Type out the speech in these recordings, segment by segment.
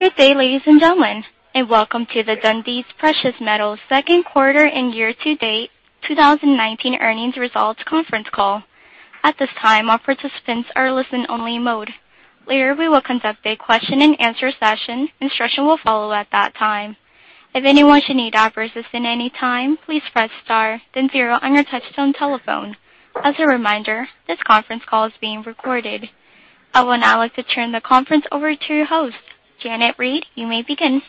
Good day, ladies and gentlemen, and welcome to the Dundee Precious Metals second quarter and year-to-date 2019 earnings results conference call. At this time, all participants are listen only mode. Later, we will conduct a question and answer session. Instructions will follow at that time. If anyone should need our assistance anytime, please press star then zero on your touchtone telephone. As a reminder, this conference call is being recorded. I would now like to turn the conference over to your host, Janet Reid. You may begin.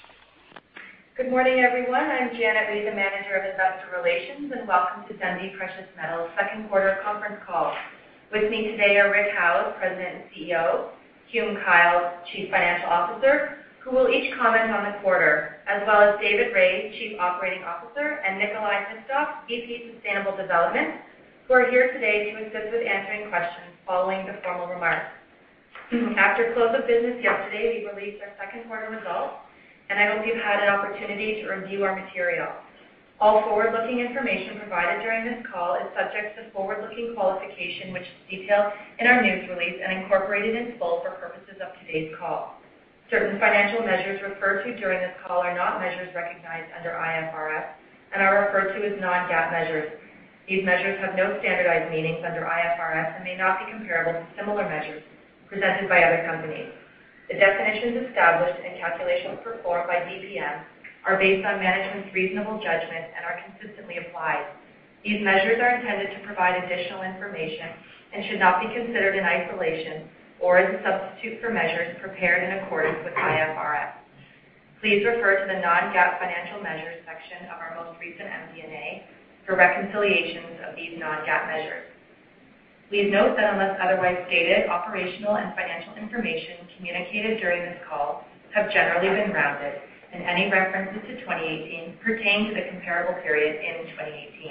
Good morning, everyone. I'm Janet Reid, the Manager, Investor Relations. Welcome to Dundee Precious Metals second quarter conference call. With me today are Rick Howes, President and CEO, Hume Kyle, Chief Financial Officer, who will each comment on the quarter, as well as David Rae, Chief Operating Officer, and Nikolai Wistow, VP Sustainable Development, who are here today to assist with answering questions following the formal remarks. After close of business yesterday, we released our second quarter results, and I hope you've had an opportunity to review our material. All forward-looking information provided during this call is subject to forward-looking qualification, which is detailed in our news release and incorporated in full for purposes of today's call. Certain financial measures referred to during this call are not measures recognized under IFRS and are referred to as non-GAAP measures. These measures have no standardized meanings under IFRS and may not be comparable to similar measures presented by other companies. The definitions established and calculations performed by DPM are based on management's reasonable judgment and are consistently applied. These measures are intended to provide additional information and should not be considered in isolation or as a substitute for measures prepared in accordance with IFRS. Please refer to the non-GAAP financial measures section of our most recent MD&A for reconciliations of these non-GAAP measures. Please note that unless otherwise stated, operational and financial information communicated during this call have generally been rounded, and any references to 2018 pertain to the comparable period in 2018.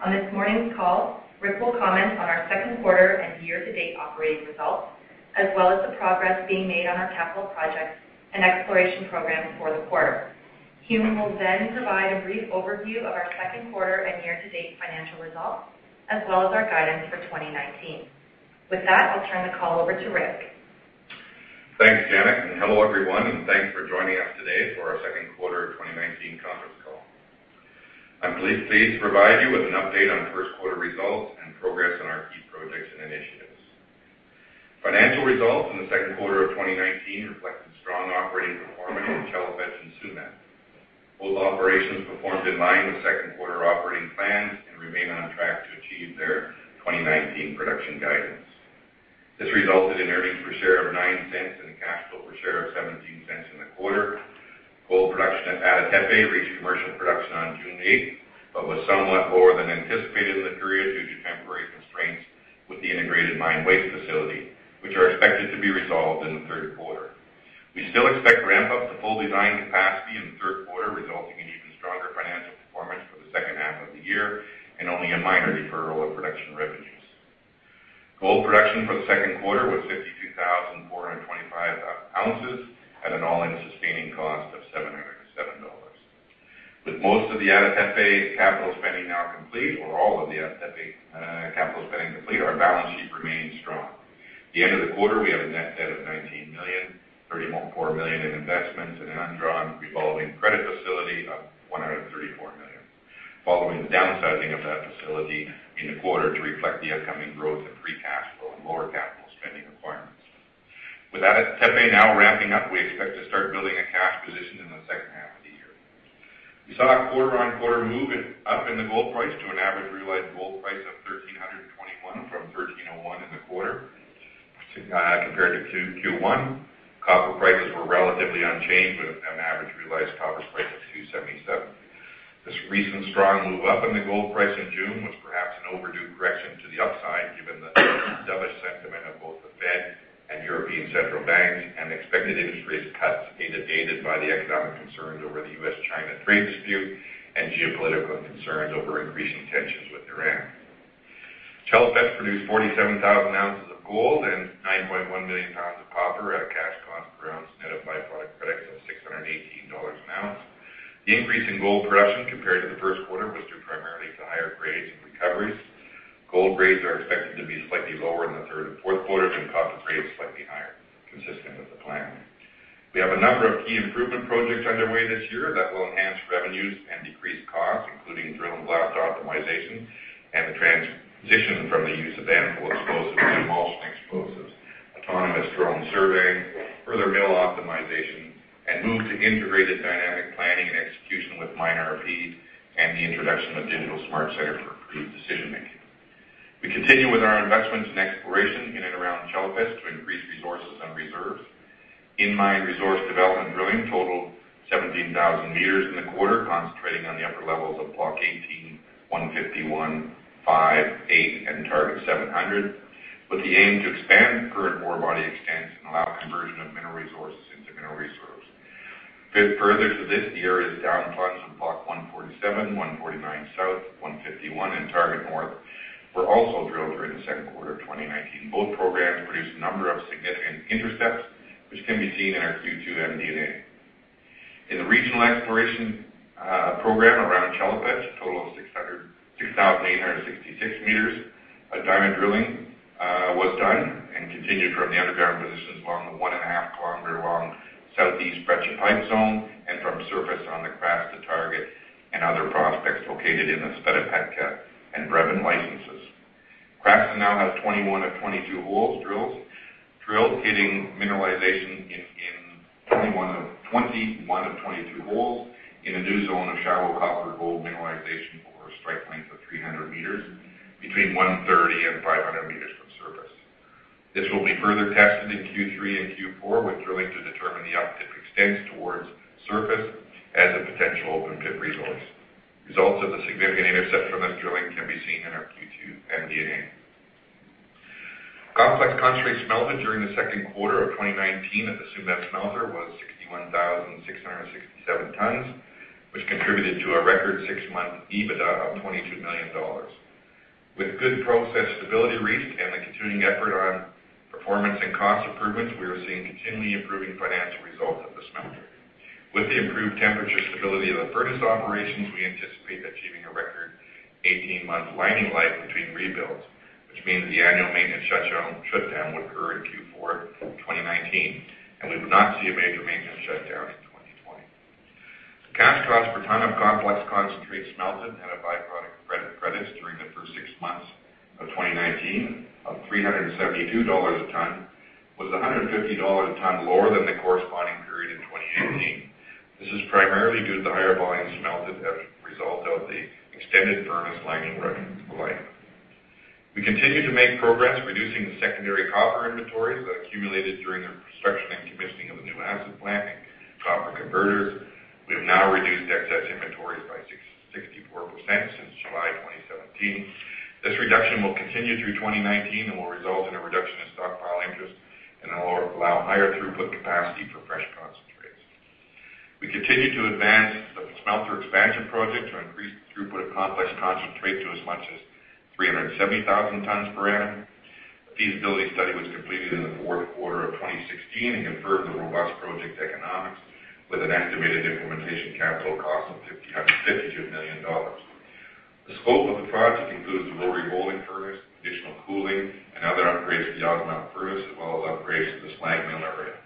On this morning's call, Rick will comment on our second quarter and year-to-date operating results, as well as the progress being made on our capital projects and exploration programs for the quarter. Hume will then provide a brief overview of our second quarter and year-to-date financial results, as well as our guidance for 2019. With that, I'll turn the call over to Rick. Thanks, Janet. Hello, everyone. Thanks for joining us today for our second quarter 2019 conference call. I'm pleased to provide you with an update on first quarter results and progress on our key projects and initiatives. Financial results in the second quarter of 2019 reflected strong operating performance in Chelopech and Tsumeb. Both operations performed in line with second quarter operating plans and remain on track to achieve their 2019 production guidance. This resulted in earnings per share of $0.09 and a cash flow per share of $0.17 in the quarter. Gold production at Ada Tepe reached commercial production on June 8th, but was somewhat lower than anticipated in the period due to temporary constraints with the Integrated Mine Waste Facility, which are expected to be resolved in the third quarter. We still expect ramp up to full design capacity in the third quarter, resulting in even stronger financial performance for the second half of the year and only a minor deferral of production revenues. Gold production for the second quarter was 52,425 ounces at an all-in sustaining cost of $707. With most of the Ada Tepe capital spending now complete or all of the Ada Tepe capital spending complete, our balance sheet remains strong. At the end of the quarter, we have a net debt of $19 million, $34 million in investments and an undrawn revolving credit facility of $134 million, following the downsizing of that facility in the quarter to reflect the upcoming growth in free cash flow and lower capital spending requirements. With Ada Tepe now ramping up, we expect to start building a cash position in the second half of the year. We saw a quarter-on-quarter move up in the gold price to an average realized gold price of $1,321 from $1,301 in the quarter compared to Q1. Copper prices were relatively unchanged with an average realized copper price of $277. This recent strong move up in the gold price in June was perhaps an overdue correction to the upside given the dovish sentiment of both the Fed and European Central Bank and expected interest rates cuts dictated by the economic concerns over the U.S. China trade dispute and geopolitical concerns over increasing tensions with Iran. Chelopech produced 47,000 ounces of gold and 9.1 million tons of copper at a cash cost per ounce net of byproduct credits of $618 an ounce. The increase in gold production compared to the first quarter was due primarily to higher grades and recoveries. Gold grades are expected to be slightly lower in the third and fourth quarter and copper grades slightly higher, consistent with the plan. We have a number of key improvement projects underway this year that will enhance revenues and decrease costs, including drill and blast optimization and the transition from the use of ANFO explosives to emulsion explosives, autonomous drone surveying, further mill optimization, and move to integrated dynamic planning and execution with MineRP and the introduction of Digital SmartCenter for improved decision making. We continue with our investments in exploration in and around Chelopech to increase resources and reserves. In mine resource development, drilling totaled 17,000 meters in the quarter, concentrating on the upper levels of Block 18, 151, 5, 8, and Target 700, with the aim to expand current ore body extents and allow conversion of mineral resources into mineral reserves. Fit further to this year is down plunge from Block 147, 149 South, 151, and Target North were also drilled during the second quarter of 2019. Both programs produced a number of significant intercepts, which can be seen in our Q2 MD&A. In the regional exploration program around Chelopech, a total of 6,866 meters of diamond drilling was done and continued from the underground positions along the one-and-a-half kilometer long Southeast Breccia Pipe Zone and from surface on the Krasta to Target and other prospects located in the Sveta Petka and Brevene licenses. Krasta now has 21 of 22 holes drilled, hitting mineralization in 21 of 22 holes in a new zone of shallow copper gold mineralization over a strike length of 300 meters between 130 and 500 meters from surface. This will be further tested in Q3 and Q4 with drilling to determine the optic extents towards surface as a potential open pit resource. Results of the significant intercepts from this drilling can be seen in our Q2 MD&A. Complex concentrates melted during the second quarter of 2019 at the Tsumeb smelter was 61,667 tons, which contributed to a record six-month EBITDA of $22 million. With good process stability reached and the continuing effort on performance and cost improvements, we are seeing continually improving financial results at the smelter. With the improved temperature stability of the furnace operations, we anticipate achieving a record 18-month lining life between rebuilds, which means the annual maintenance shutdown would occur in Q4 2019, and we would not see a major maintenance shutdown in 2020. The cash cost per ton of complex concentrate smelted at byproduct credits during the first six months of 2019 of $372 a ton was $150 a ton lower than the corresponding period in 2018. This is primarily due to the higher volumes smelted as a result of the extended furnace lining life. We continue to make progress reducing the secondary copper inventories that accumulated during the construction and commissioning of the new acid plant and copper converters. We have now reduced excess inventories by 64% since July 2017. This reduction will continue through 2019 and will result in a reduction in stockpile interest and allow higher throughput capacity for fresh concentrates. We continue to advance the smelter expansion project to increase the throughput of complex concentrate to as much as 370,000 tons per annum. A feasibility study was completed in the fourth quarter of 2016 and confirmed the robust project economics with an estimated implementation capital cost of $150 million. The scope of the project includes the rotary holding furnace, additional cooling, and other upgrades to the automatic furnace, as well as upgrades to the slag mill area.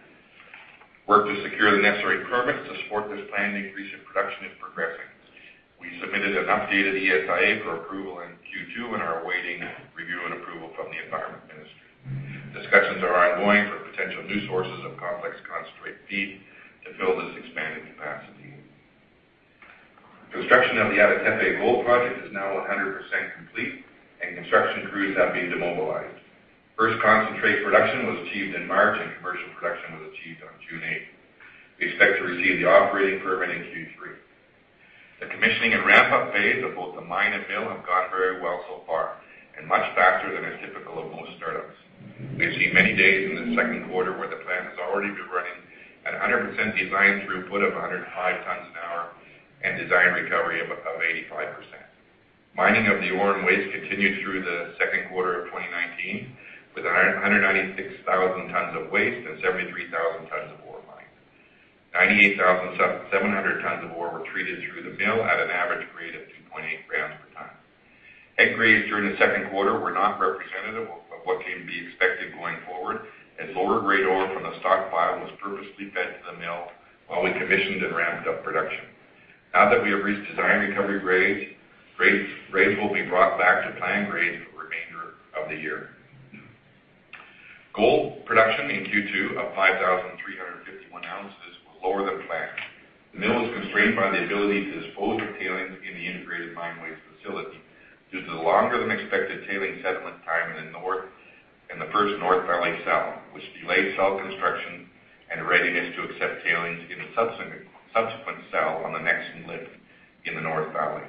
Work to secure the necessary permits to support this planned increase in production is progressing. We submitted an updated ESIA for approval in Q2 and are awaiting review and approval from the Environment Ministry. Discussions are ongoing for potential new sources of complex concentrate feed to fill this expanded capacity. Construction of the Ada Tepe Gold Project is now 100% complete and construction crews have been demobilized. First concentrate production was achieved in March, and commercial production was achieved on June 8th. We expect to receive the operating permit in Q3. The commissioning and ramp-up phase of both the mine and mill have gone very well so far and much faster than is typical of most startups. We have seen many days in the second quarter where the plant has already been running at 100% design throughput of 105 tons an hour and design recovery of 85%. Mining of the ore and waste continued through the second quarter of 2019, with 196,000 tons of waste and 73,000 tons of ore mined. 98,700 tons of ore were treated through the mill at an average grade of 2.8 grams per ton. Head grades during the second quarter were not representative of what can be expected going forward, as lower grade ore from the stockpile was purposely fed to the mill while we commissioned and ramped up production. Now that we have reached design recovery grades will be brought back to planned grades for the remainder of the year. Gold production in Q2 of 5,351 ounces was lower than planned. The mill was constrained by the ability to dispose of tailings in the integrated mine waste facility due to the longer than expected tailings settlement time in the first North Valley cell, which delayed cell construction and readiness to accept tailings in a subsequent cell on the next lift in the North Valley.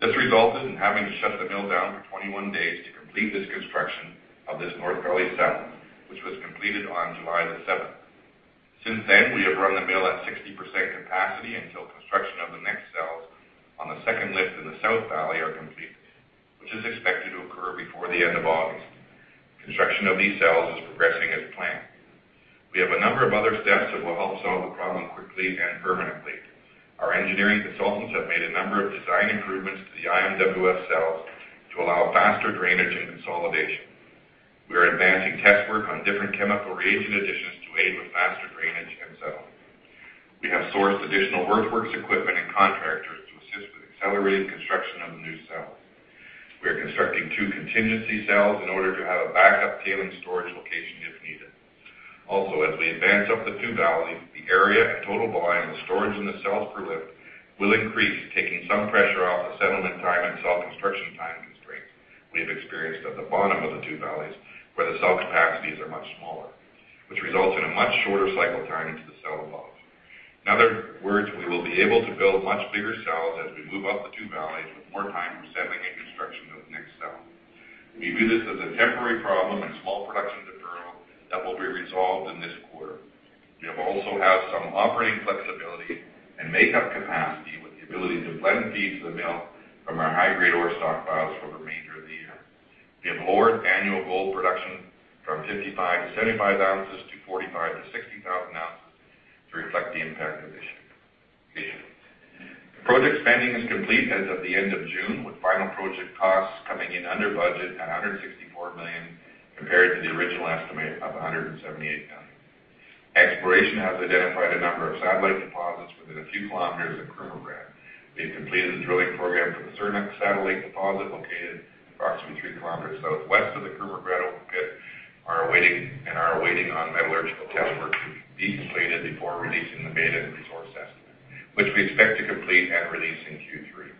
This resulted in having to shut the mill down for 21 days to complete this construction of this North Valley cell, which was completed on July 7th. Since then, we have run the mill at 60% capacity until construction of the next cells on the second lift in the South Valley are complete, which is expected to occur before the end of August. Construction of these cells is progressing as planned. We have a number of other steps that will help solve the problem quickly and permanently. Our engineering consultants have made a number of design improvements to the IMWF cells to allow faster drainage and consolidation. We are advancing test work on different chemical reagent additions to aid with faster drainage and settling. We have sourced additional earthworks equipment and contractors to assist with accelerating construction of the new cells. We are constructing two contingency cells in order to have a backup tailing storage location if needed. Also, as we advance up the two valleys, the area and total volume of storage in the cells per lift will increase, taking some pressure off the settlement time and cell construction time constraints we've experienced at the bottom of the two valleys, where the cell capacities are much smaller, which results in a much shorter cycle time to the cell above. In other words, we will be able to build much bigger cells as we move up the two valleys with more time for settling and construction of the next cell. We view this as a temporary problem and small production deferral that will be resolved in this quarter. We have also had some operating flexibility and make up capacity with the ability to blend feeds to the mill from our high-grade ore stockpiles for the remainder of the year. We have lowered annual gold production from 55,000-75,000 ounces to 45,000-60,000 ounces to reflect the impact of this. Project spending is complete as of the end of June, with final project costs coming in under budget at $164 million compared to the original estimate of $178 million. Exploration has identified a number of satellite deposits within a few kilometers of Krumovgrad. We have completed the drilling program for the Surnak satellite deposit located approximately three kilometers southwest of the Krumovgrad open pit, and are waiting on metallurgical test work to be completed before releasing the maiden resource estimate, which we expect to complete and release in Q3.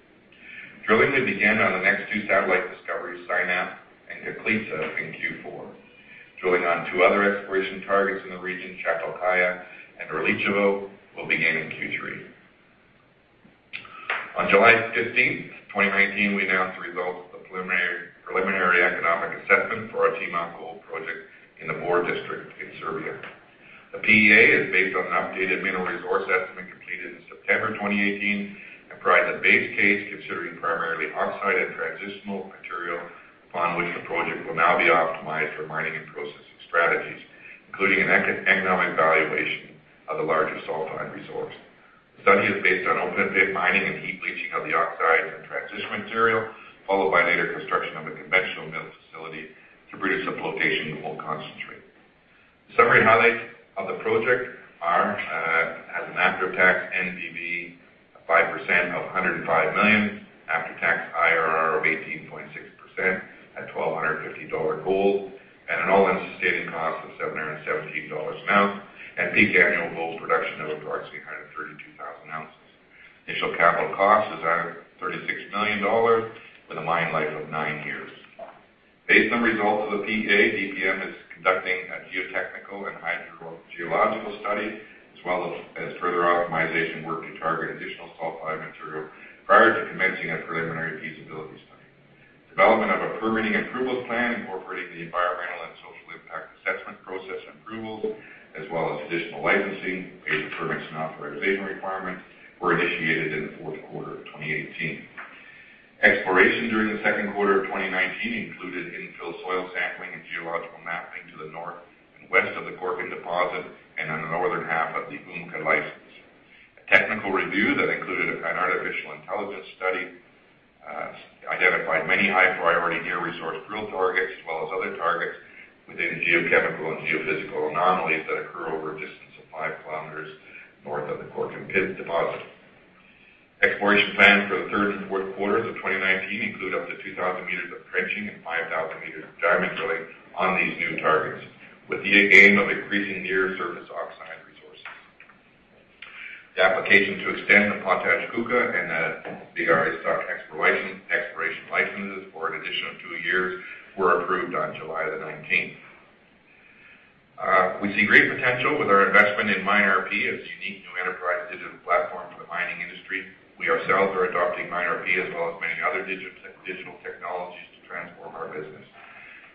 Drilling will begin on the next two satellite discoveries, Synap and Kuklitsa, in Q4. Drilling on two other exploration targets in the region, Chatalkaya and Erlichevo, will begin in Q3. On July 15th, 2019, we announced the results of the preliminary economic assessment for our Timok Gold Project in the Bor district in Serbia. The PEA is based on an updated mineral resource estimate completed in September 2018 and provides a base case considering primarily oxide and transitional material, upon which the project will now be optimized for mining and processing strategies, including an economic valuation of the larger sulfide resource. The study is based on open pit mining and heap leaching of the oxide and transition material, followed by later construction of a conventional mill facility to produce a flotation gold concentrate. Summary highlights of the project are: it has an after-tax NPV of 5% of $105 million, after-tax IRR of 18.6% at $1,250 gold, and an all-in sustaining cost of $717 an ounce, and peak annual gold production of approximately 132,000 ounces. Initial capital cost is $136 million, with a mine life of nine years. Based on the results of the PEA, DPM is conducting a geotechnical and hydrogeological study, as well as further optimization work to target additional sulfide material prior to commencing a preliminary feasibility study. Development of a permitting approvals plan incorporating the environmental and social impact assessment process approvals, as well as additional licensing, major permits, and authorization requirements, were initiated in the fourth quarter of 2018. Exploration during the second quarter of 2019 included infill soil sampling and geological mapping to the north and west of the Korkan deposit and on the northern half of the Umka licence. A technical review that included an artificial intelligence study identified many high-priority near-resource drill targets as well as other targets within the geochemical and geophysical anomalies that occur over a distance of 5 kilometers north of the Korkan pit deposit. Exploration plans for the third and fourth quarters of 2019 include up to 2,000 meters of trenching and 5,000 meters of diamond drilling on these new targets, with the aim of increasing near-surface oxide resources. The application to extend the Pantelejkuka and the Aris exploration licenses for an additional two years were approved on July 19th. We see great potential with our investment in MineRP as a unique new enterprise digital platform for the mining industry. We ourselves are adopting MineRP as well as many other digital technologies to transform our business.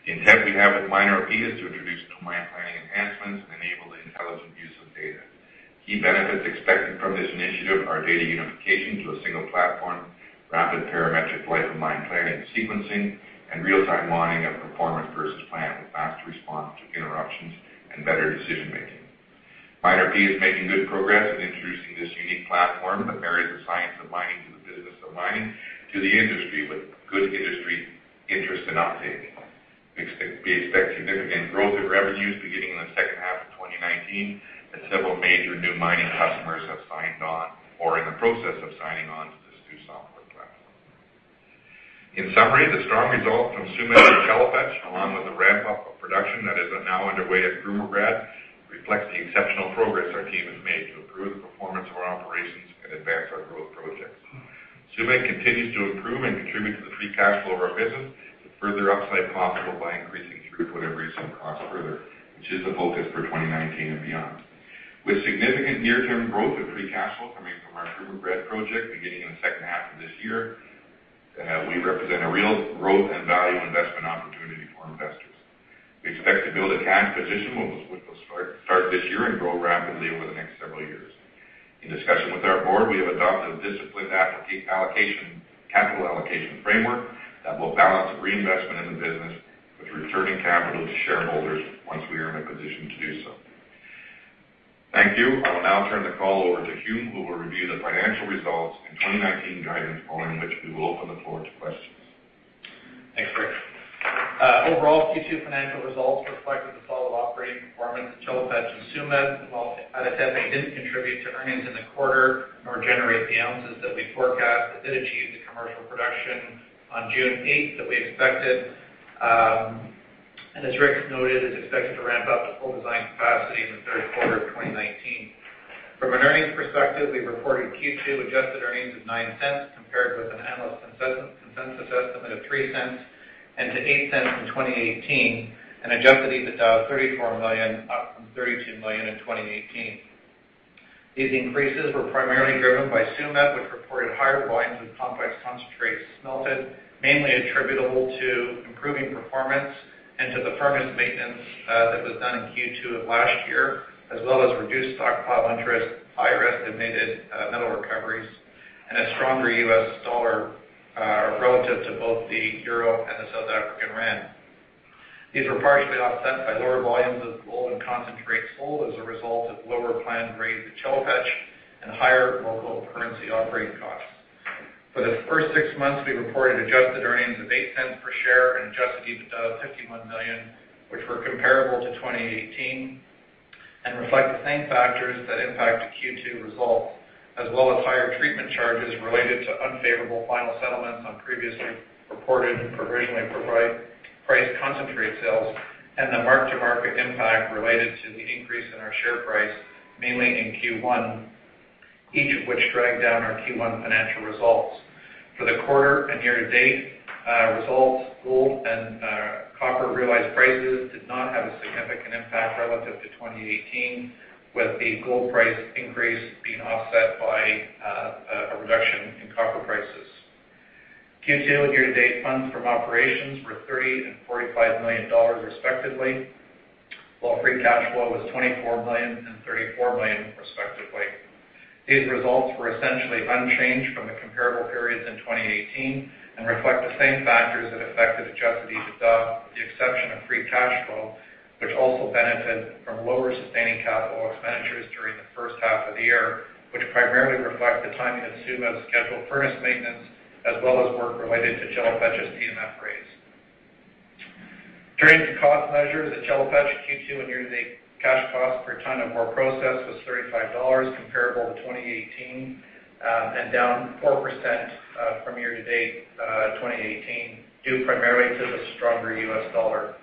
The intent we have with MineRP is to introduce new mine planning enhancements and enable the intelligent use of data. Key benefits expected from this initiative are data unification to a single platform, rapid parametric life-of-mine planning and sequencing, and real-time mining of performance versus plan with fast response to interruptions and better decision-making. MineRP is making good progress in introducing this unique platform that marries the science of mining to the business of mining to the industry, with good industry interest and uptake. We expect significant growth in revenues beginning in the second half of 2019, as several major new mining customers have signed on or are in the process of signing on to this new software platform. In summary, the strong results from Tsumeb and Chelopech, along with the ramp-up of production that is now underway at Krumovgrad, reflects the exceptional progress our team has made to improve the performance of our operations and advance our growth projects. Tsumeb continues to improve and contribute to the free cash flow of our business with further upside possible by increasing throughput and reducing costs further, which is a focus for 2019 and beyond. With significant near-term growth in free cash flow coming from our Krumovgrad project beginning in the second half of this year, we represent a real growth and value investment opportunity for investors. We expect to build a cash position, which will start this year and grow rapidly over the next several years. In discussion with our board, we have adopted a disciplined capital allocation framework that will balance the reinvestment in the business with returning capital to shareholders once we are in a position to do so. Thank you. I will now turn the call over to Hume, who will review the financial results and 2019 guidance, following which we will open the floor to questions. Thanks, Rick. Overall, Q2 financial results reflected the solid operating performance of Chelopech and Tsumeb. While Ada Tepe, they didn't contribute to earnings in the quarter nor generate the ounces that we forecast, it did achieve the commercial production on June 8th that we expected. As Rick noted, is expected to ramp up to full design capacity in the third quarter of 2019. From an earnings perspective, we reported Q2 adjusted earnings of $0.09 compared with an analyst consensus estimate of $0.03 and to $0.08 in 2018, and adjusted EBITDA of $34 million, up from $32 million in 2018. These increases were primarily driven by Tsumeb, which reported higher volumes of complex concentrates smelted, mainly attributable to improving performance and to the furnace maintenance that was done in Q2 of last year, as well as reduced stockpile interest, higher estimated metal recoveries and a stronger US dollar relative to both the euro and the South African rand. These were partially offset by lower volumes of gold and concentrates sold as a result of lower planned grades at Tasiast and higher local currency operating costs. For the first six months, we reported adjusted earnings of $0.08 per share and adjusted EBITDA of $51 million, which were comparable to 2018 and reflect the same factors that impacted Q2 results, as well as higher treatment charges related to unfavorable final settlements on previously reported and provisionally priced concentrate sales, and the mark-to-market impact related to the increase in our share price, mainly in Q1, each of which dragged down our Q1 financial results. For the quarter and year-to-date results, gold and copper realized prices did not have a significant impact relative to 2018, with the gold price increase being offset by a reduction in copper prices. Q2 and year-to-date funds from operations were $30 million and $45 million respectively, while free cash flow was $24 million and $34 million respectively. These results were essentially unchanged from the comparable periods in 2018 and reflect the same factors that affected adjusted EBITDA, with the exception of free cash flow, which also benefited from lower sustaining capital expenditures during the first half of the year, which primarily reflect the timing of Tsumeb's scheduled furnace maintenance, as well as work related to Tasiast's TMF raise. Turning to cost measures at Tasiast, Q2 and year-to-date cash costs per ton of ore processed was $35, comparable to 2018, down 4% from year-to-date 2018, due primarily to the stronger US dollar.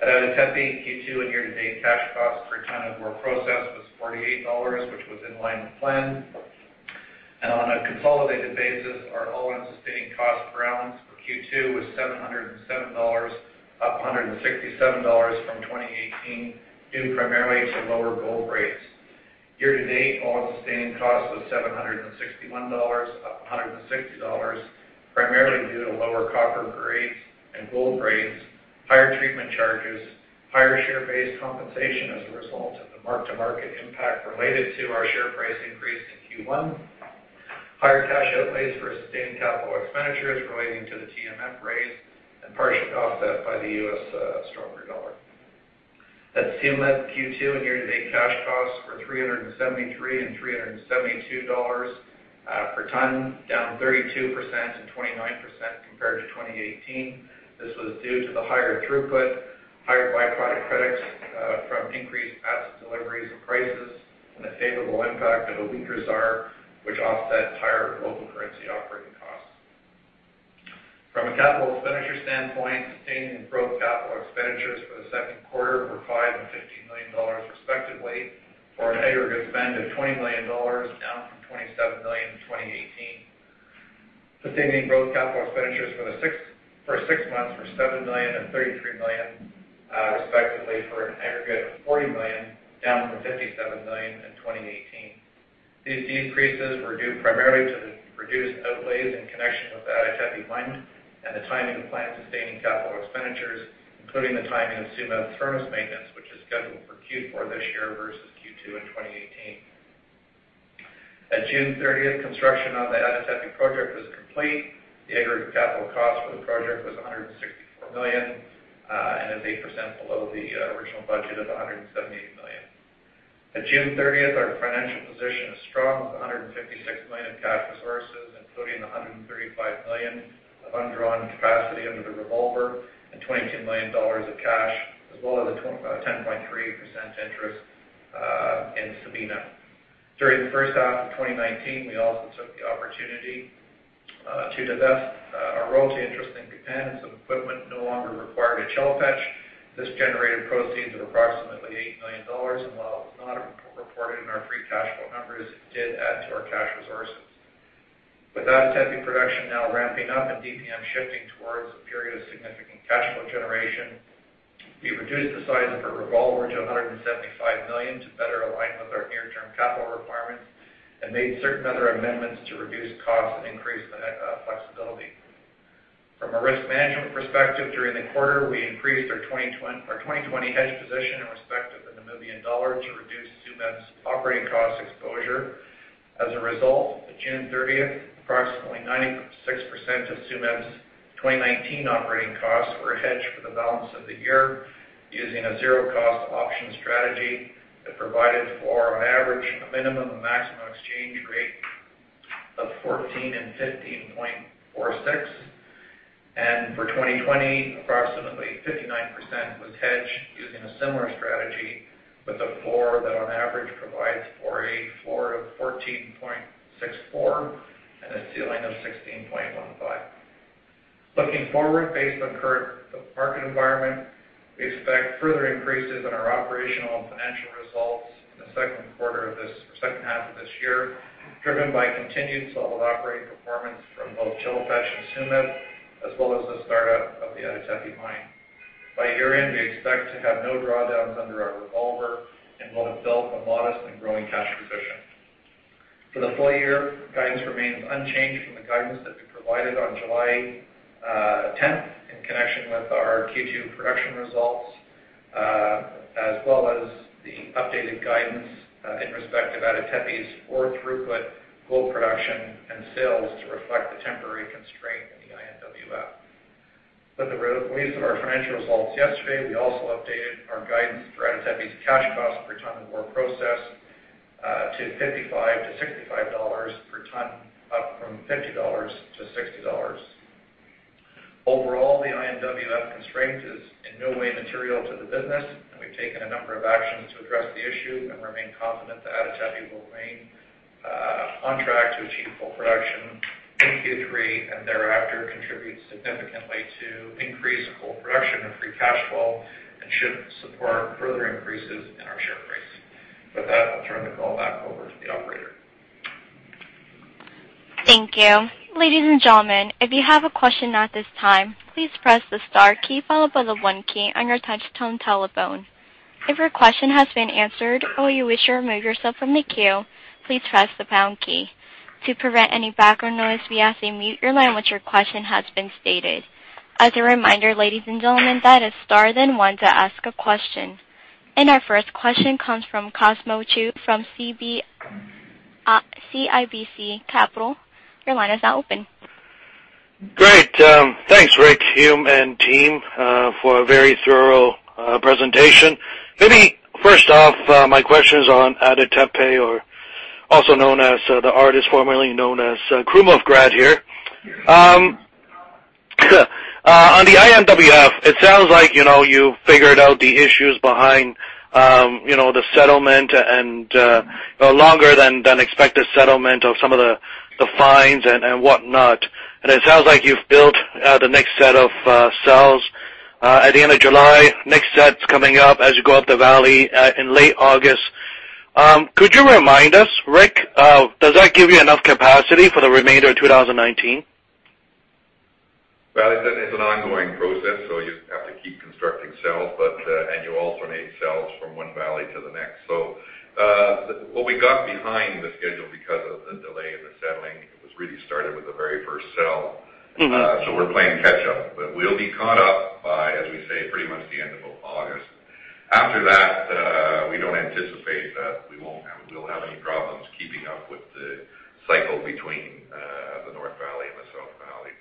At Ada Tepe, Q2 and year-to-date cash costs per ton of ore processed was $48, which was in line with plan. On a consolidated basis, our all-in sustaining cost per ounce for Q2 was $707, up $167 from 2018, due primarily to lower gold grades. Year-to-date, all-in sustaining cost was $761, up $160, primarily due to lower copper grades and gold grades, higher treatment charges, higher share-based compensation as a result of the mark-to-market impact related to our share price increase in Q1, higher cash outlays for sustained capital expenditures relating to the TMF raise, and partially offset by the U.S. stronger dollar. At Tsumeb, Q2 and year-to-date cash costs were $373 and $372 per ton, down 32% and 29% compared to 2018. This was due to the higher throughput, higher by-product credits from increased acid deliveries and prices, and the favorable impact of the weaker ZAR, which offset higher local currency operating costs. From a capital expenditure standpoint, sustained and growth capital expenditures for the second quarter were $5 million and $15 million respectively, for an aggregate spend of $20 million, down from $27 million in 2018. Sustaining growth capital expenditures for the six first months were $7 million and $33 million respectively, for an aggregate of $40 million, down from $57 million in 2018. These decreases were due primarily to the reduced outlays in connection with the Ada Tepe mine and the timing of planned sustaining capital expenditures, including the timing of Souma furnace maintenance, which is scheduled for Q4 this year versus Q2 in 2018. At June 30th, construction on the Ada Tepe project was complete. The aggregate capital cost for the project was $164 million and is 8% below the original budget of $178 million. At June 30th, our financial position is strong, with $156 million of cash resources, including $135 million of undrawn capacity under the revolver and $22 million of cash, as well as a 10.3% interest in Sabina. During the first half of 2019, we also took the opportunity to divest our royalty interest in some equipment no longer required at Tasiast. This generated proceeds of approximately $8 million. While it was not reported in our free cash flow numbers, it did add to our cash resources. With Ada Tepe production now ramping up and DPM shifting towards a period of significant cash flow generation, we reduced the size of our revolver to $175 million to better align with our near-term capital requirements and made certain other amendments to reduce costs and increase flexibility. From a risk management perspective, during the quarter, we increased our 2020 hedge position in respect of the Namibian dollar to reduce Tsumeb's operating cost exposure. As a result, at June 30th, approximately 96% of Souma's 2019 operating costs were hedged for the balance of the year using a zero cost option strategy that provided for, on average, a minimum and maximum exchange rate of 14 and 15.46. For 2020, approximately 59% was hedged using a similar strategy with a floor that on average provides for a floor of 14.64 and a ceiling of 16.15. Looking forward, based on the current market environment, we expect further increases in our operational and financial results in the second half of this year, driven by continued solid operating performance from both Tasiast and Souma, as well as the startup of the Itycyr mine. By year-end, we expect to have no drawdowns under our revolver and will have built a modest and growing cash position. For the full year, guidance remains unchanged from the guidance that we provided on July 8th. 10th in connection with our Q2 production results, as well as the updated guidance in respect of Ada Tepe's ore throughput, gold production, and sales to reflect the temporary constraint in the IMWF. With the release of our financial results yesterday, we also updated our guidance for Ada Tepe's cash costs per ton of ore processed to $55-$65 per ton, up from $50-$60. Overall, the IMWF constraint is in no way material to the business, and we've taken a number of actions to address the issue and remain confident that Ada Tepe will remain on track to achieve full production in Q3, and thereafter contribute significantly to increase in gold production and free cash flow, and should support further increases in our share price. With that, I'll turn the call back over to the operator. Thank you. Ladies and gentlemen, if you have a question now at this time, please press the star key, followed by the one key on your touch-tone telephone. If your question has been answered, or you wish to remove yourself from the queue, please press the pound key. To prevent any background noise, we ask that you mute your line once your question has been stated. As a reminder, ladies and gentlemen, that is star, then one to ask a question. Our first question comes from Cosmos Chiu from CIBC Capital Markets. Your line is now open. Great. Thanks, Rick, Hume, and team, for a very thorough presentation. Maybe first off, my question is on Ada Tepe, or also known as the artist formerly known as Krumovgrad here. On the IMWF, it sounds like you figured out the issues behind the settlement and the longer-than-expected settlement of some of the fines and whatnot, and it sounds like you've built the next set of cells at the end of July. Next set's coming up as you go up the valley in late August. Could you remind us, Rick, does that give you enough capacity for the remainder of 2019? Well, it's an ongoing process, so you have to keep constructing cells, and you alternate cells from one valley to the next. Well, we got behind the schedule because of the delay in the settling. It was really started with the very first cell. We're playing catch up. We'll be caught up by, as we say, pretty much the end of August. After that, we don't anticipate that we'll have any problems keeping up with the cycle between the north valley and the south valley.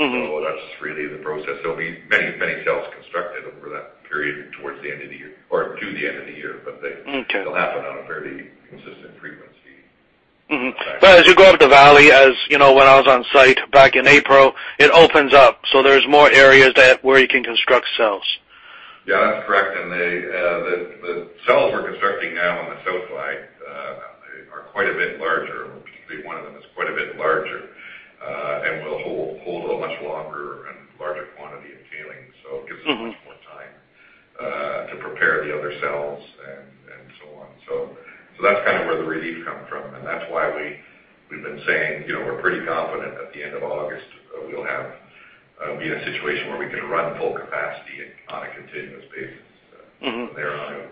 That's really the process. There'll be many cells constructed over that period towards the end of the year or to the end of the year. Okay they'll happen on a fairly consistent frequency. Mm-hmm. As you go up the valley, when I was on site back in April, it opens up, so there is more areas there where you can construct cells. Yeah, that's correct. The cells we're constructing now on the south flank are quite a bit larger, particularly one of them is quite a bit larger, and will hold a much longer and larger quantity of tailings. It gives us much more time to prepare the other cells and so on. That's kind of where the relief comes from, and that's why we've been saying we're pretty confident at the end of August, we'll be in a situation where we can run full capacity on a continuous basis thereafter.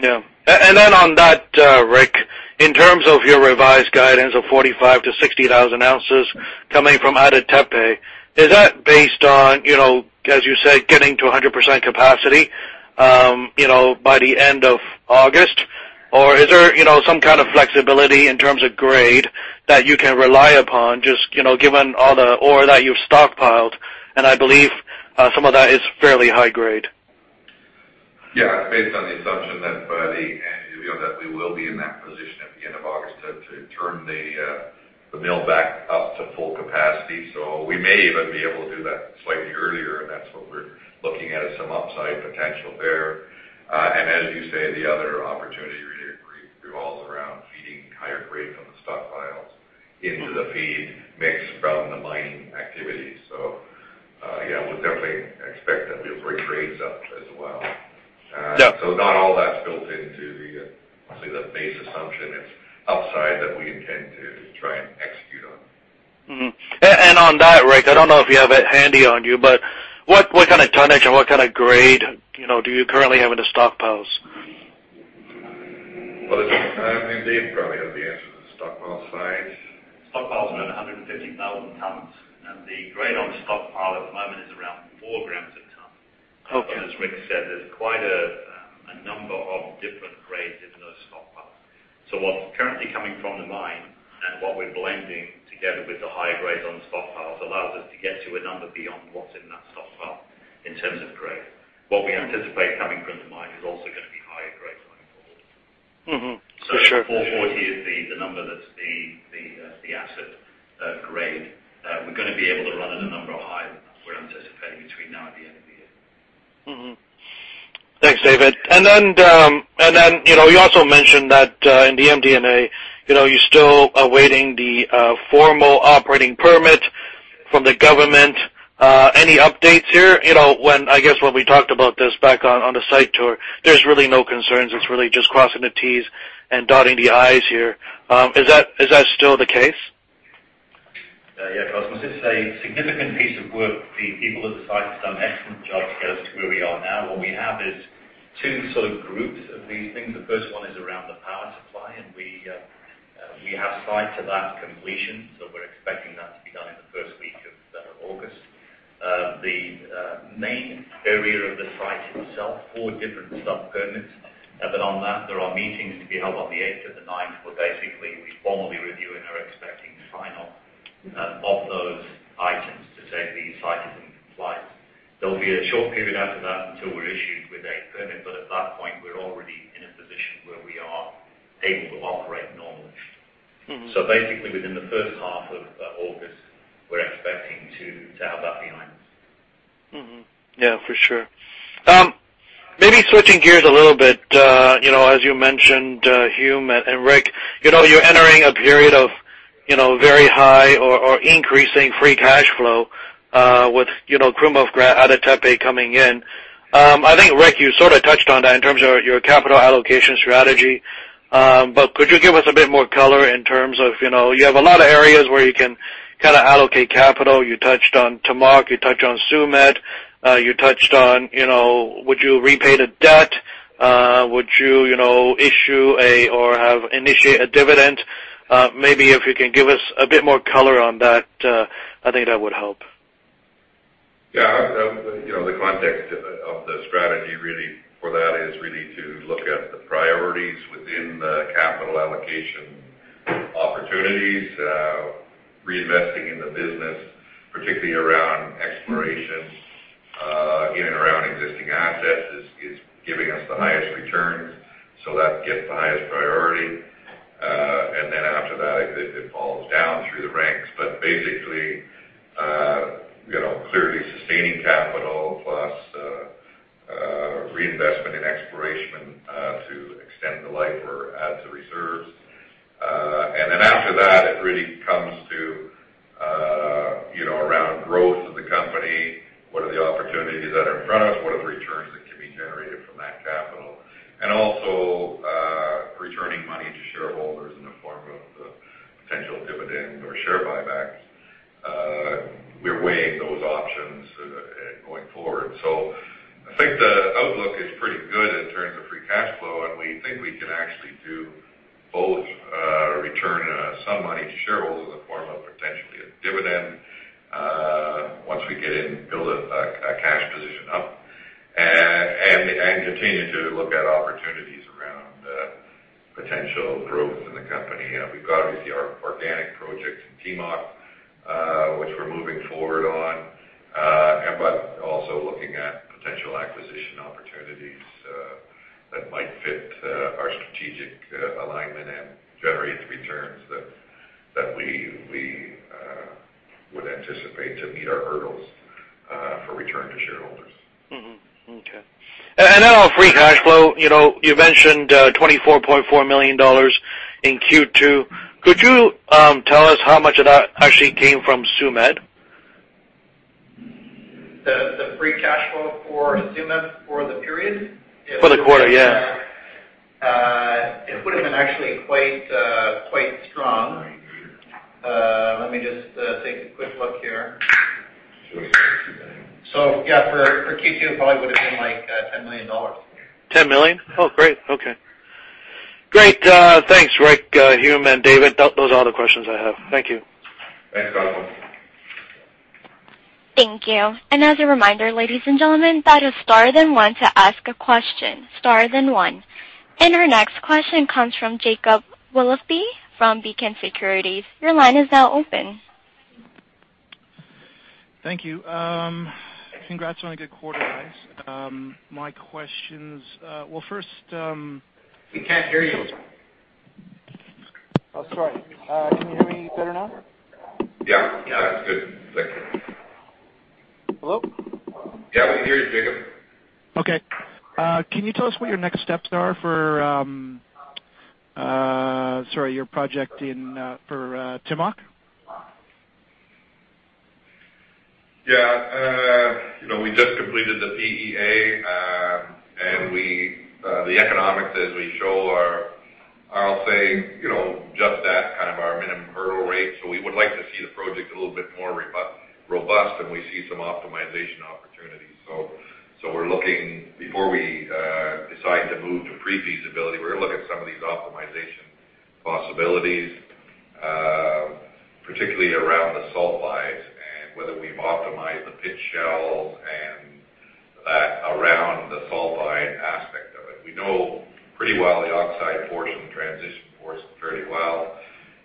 Yeah. On that, Rick, in terms of your revised guidance of 45,000 to 60,000 ounces coming from Ada Tepe, is that based on, as you said, getting to 100% capacity by the end of August? Or is there some kind of flexibility in terms of grade that you can rely upon, just given all the ore that you've stockpiled, and I believe some of that is fairly high grade. It's based on the assumption that by the end, that we will be in that position at the end of August to turn the mill back up to full capacity. We may even be able to do that slightly earlier, and that's what we're looking at as some upside potential there. As you say, the other opportunity really agreed all around feeding higher grade from the stockpiles into the feed mix from the mining activity. We'll definitely expect that we'll bring grades up as well. Yeah. Not all that's built into the, obviously the base assumption. It's upside that we intend to try and execute on. On that, Rick, I don't know if you have it handy on you, but what kind of tonnage and what kind of grade do you currently have in the stockpiles? Well, David probably has the answer to the stockpile size. Stockpile's around 150,000 tons, and the grade on the stockpile at the moment is around four grams a ton. Okay. As Rick said, there's quite a number of different grades in those stockpiles. What's currently coming from the mine and what we're blending together with the higher grades on the stockpiles allows us to get to a number beyond what's in that stockpile in terms of grade. What we anticipate coming from the mine is also going to be higher grade going forward. Mm-hmm. For sure. 440 is the number that's the asset grade. We're going to be able to run at a number higher than what we're anticipating between now and the end of the year. Thanks, David. You also mentioned that in the MD&A, you're still awaiting the formal operating permit from the government. Any updates here? I guess when we talked about this back on the site tour, there's really no concerns. It's really just crossing the Ts and dotting the I's here. Is that still the case? Yeah, Cosmos. This is a significant piece of work. The people at the site have done an excellent job to get us to where we are now. What we have is two sort of groups of these things. The first one is around the power supply, and We have sight to that completion. We're expecting that to be done in the first week of August. The main area of the site itself, four different sub permits. On that, there are meetings to be held on the eighth or the ninth, where basically we formally review and are expecting final of those items to say the site is in compliance. There'll be a short period after that until we're issued with a permit, but at that point, we're already in a position where we are able to operate normally. Basically, within the first half of August, we're expecting to have that behind us. Yeah, for sure. Maybe switching gears a little bit, as you mentioned, Hume and Rick, you're entering a period of very high or increasing free cash flow with Krumovgrad, Ada Tepe coming in. I think, Rick, you sort of touched on that in terms of your capital allocation strategy. Could you give us a bit more color in terms of, you have a lot of areas where you can kind of allocate capital. You touched on Timok, you touched on Tsumeb, you touched on would you repay the debt, would you issue or initiate a dividend? Maybe if you can give us a bit more color on that, I think that would help. Yeah. The context of the strategy really for that is really to look at the priorities within the capital allocation opportunities, reinvesting in the business, particularly around exploration in and around existing assets is giving us the highest returns. That gets the highest priority. After that, it falls down through the ranks. Basically, clearly sustaining capital plus reinvestment in exploration to extend the life or add to reserves. After that, it really comes to around growth of the company. What are the opportunities that are in front of us? What are the returns that can be generated from that capital? Also, returning money to shareholders in the form of potential dividends or share buybacks. We're weighing those options going forward. I think the outlook is pretty good in terms of free cash flow, and we think we can actually do both, return some money to shareholders in the form of potentially a dividend, once we get in, build a cash position up, and continue to look at opportunities around potential growth in the company. We've got, obviously, our organic project in Timok, which we're moving forward on, but also looking at potential acquisition opportunities that might fit our strategic alignment and generate the returns that we would anticipate to meet our hurdles for return to shareholders. Okay. On free cash flow, you mentioned $24.4 million in Q2. Could you tell us how much of that actually came from Tsumeb? The free cash flow for Tsumeb for the period? For the quarter, yeah. It would've been actually quite strong. Let me just take a quick look here. Yeah, for Q2, it probably would've been like $10 million. $10 million? Great. Okay. Great. Thanks Rick, Hume, and David. Those are all the questions I have. Thank you. Thanks, Cosmos. Thank you. As a reminder, ladies and gentlemen, dial star then one to ask a question, star then one. Our next question comes from Jacob Willoughby from Beacon Securities. Your line is now open. Thank you. Congrats on a good quarter, guys. My questions Well, first. We can't hear you. Oh, sorry. Can you hear me better now? Yeah. Now it's good. Thanks. Hello? Yeah, we can hear you, Jacob. Okay. Can you tell us what your next steps are for your project for Timok? We just completed the PEA, and the economics as we show are, I'll say, just at kind of our minimum hurdle rate. We would like to see the project a little bit more robust, and we see some optimization opportunities. Before we decide to move to pre-feasibility, we're going to look at some of these optimization possibilities, particularly around the sulfides and whether we've optimized the pit shells and that around the sulfide aspect of it. We know pretty well the oxide portion, transition portion fairly well.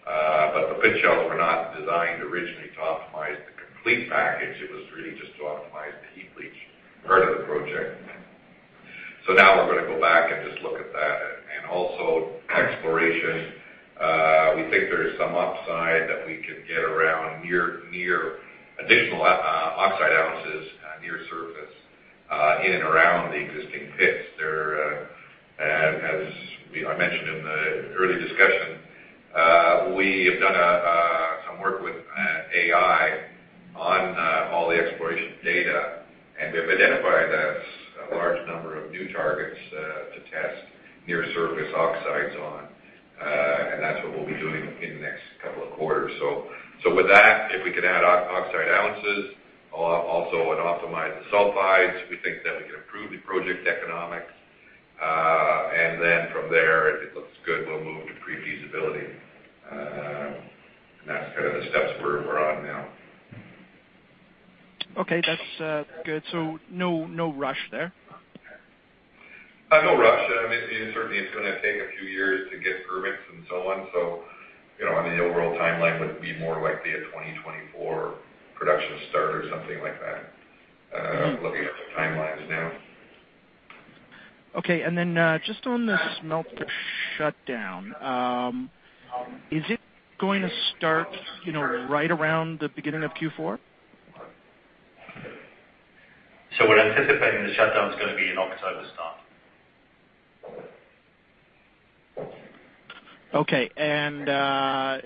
The pit shells were not designed originally to optimize the complete package. It was really just to optimize the heap leach part of the project. Now we're going to go back and just look at that. Also exploration. We think there is some upside that we could get around near additional oxide ounces near surface in and around the existing pits there. As I mentioned in the early discussion, we have done some work with AI on all the exploration data, and we've identified a large number of new targets to test near surface oxides on. That's what we'll be doing in a quarter. With that, if we can add oxide ounces also and optimize the sulfides, we think that we can improve the project economics. From there, if it looks good, we'll move to pre-feasibility. That's kind of the steps we're on now. Okay, that's good. No rush there? No rush. I mean, certainly it's going to take a few years to get permits and so on. On the overall timeline, would be more likely a 2024 production start or something like that, looking at the timelines now. Just on the smelter shutdown. Is it going to start right around the beginning of Q4? We're anticipating the shutdown is going to be an October start. Okay. I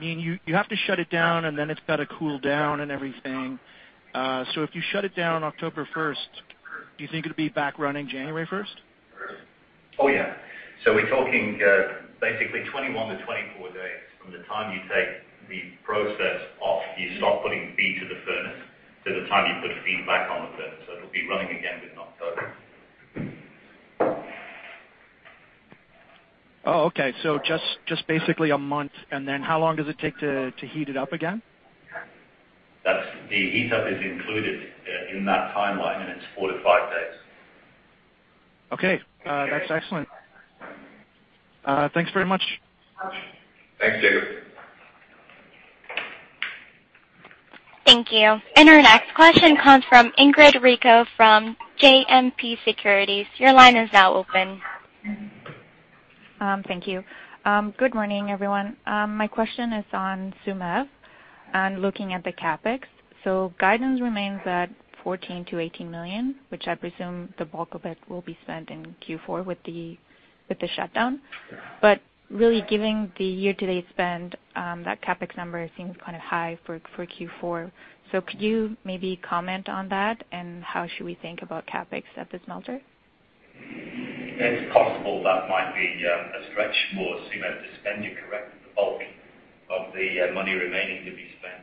mean, you have to shut it down, and then it's got to cool down and everything. If you shut it down October 1st, do you think it'll be back running January 1st? Oh, yeah. We're talking basically 21 to 24 days from the time you take the process off, you stop putting feed to the furnace, to the time you put feed back on the furnace. It'll be running again mid-October. Okay. Just basically a month. How long does it take to heat it up again? The heat-up is included in that timeline, and it's four to five days. Okay. That's excellent. Thanks very much. Thanks, Jacob. Thank you. Our next question comes from Ingrid Rico from GMP Securities. Your line is now open. Thank you. Good morning, everyone. My question is on Tsumeb and looking at the CapEx. Guidance remains at 14 million-18 million, which I presume the bulk of it will be spent in Q4 with the shutdown. Really giving the year-to-date spend, that CapEx number seems kind of high for Q4. Could you maybe comment on that, and how should we think about CapEx at the smelter? It's possible that might be a stretch for Tsumeb to spend. You're correct. The bulk of the money remaining to be spent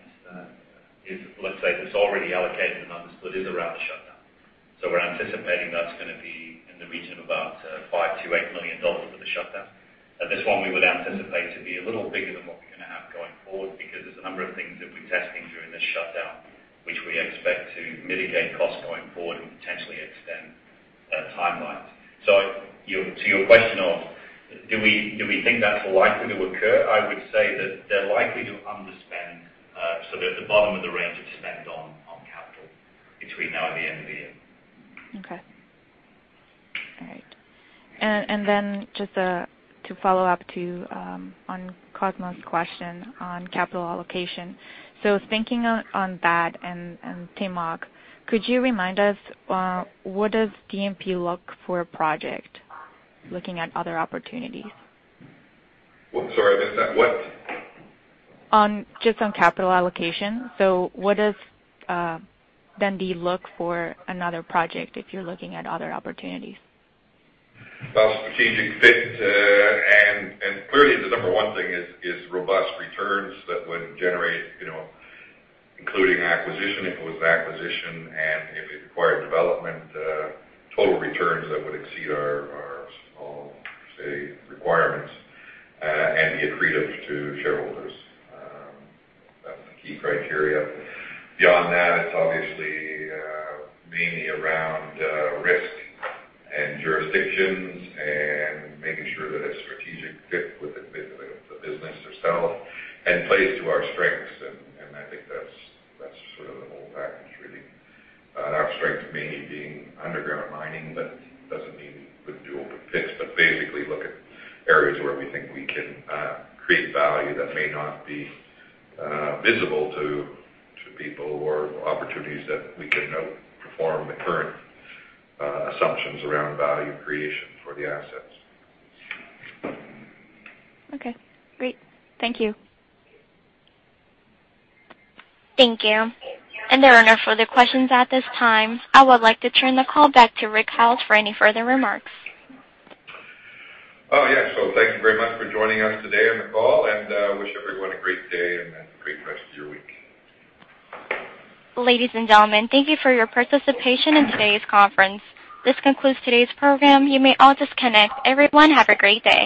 is, let's say, it's already allocated and understood is around the shutdown. We're anticipating that's going to be in the region of about $5 million-$8 million for the shutdown. This one we would anticipate to be a little bigger than what we're going to have going forward because there's a number of things that we're testing during this shutdown, which we expect to mitigate costs going forward and potentially extend timelines. To your question of, do we think that's likely to occur? I would say that they're likely to underspend, so they're at the bottom of the range of spend on capital between now and the end of the year. Okay. All right. Just to follow up to, on Cosmos' question on capital allocation. Thinking on that and Timok, could you remind us what does DPM look for a project, looking at other opportunities? Well, sorry about that. What? Just on capital allocation. What does Dundee look for another project if you're looking at other opportunities? Well, strategic fit. Clearly the number 1 thing is robust returns that would generate, including acquisition, if it was an acquisition, and if it required development, total returns that would exceed our, I'll say, requirements, and be accretive to shareholders. That's the key criteria. Beyond that, it's obviously mainly around risk and jurisdictions and making sure that a strategic fit with the business itself and plays to our strengths, and I think that's sort of the whole package, really. Our strength mainly being underground mining, but doesn't mean we couldn't do open pits. Basically look at areas where we think we can create value that may not be visible to people or opportunities that we can out-perform the current assumptions around value creation for the assets. Okay, great. Thank you. Thank you. There are no further questions at this time. I would like to turn the call back to Rick Howes for any further remarks. Oh, yeah. Thank you very much for joining us today on the call, and wish everyone a great day and a great rest of your week. Ladies and gentlemen, thank you for your participation in today's conference. This concludes today's program. You may all disconnect. Everyone, have a great day.